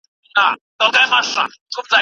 تاسي باید تر دولسو بجو پوري بېدېدلي وای.